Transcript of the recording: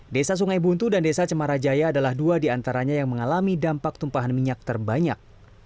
desa sungai buntu dan desa cemarajaya adalah dua di antaranya yang mengalami dampak tumpahan minyak terbanyak